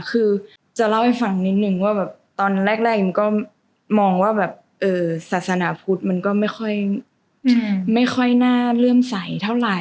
คือจะเล่าให้ฟังนิดนึงว่าแบบตอนแรกอิมก็มองว่าแบบศาสนาพุทธมันก็ไม่ค่อยน่าเลื่อมใสเท่าไหร่